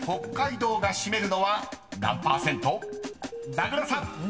［名倉さん］